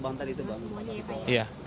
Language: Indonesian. terima kasih bapak